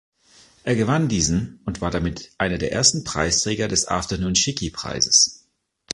Er gewann diesen und war damit einer der ersten Preisträger des Afternoon-Shiki-Preises.